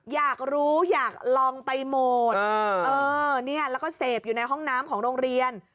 อยากรู้อยากลองไปหมดแล้วก็เสพอยู่ในห้องน้ำของโรงเรียน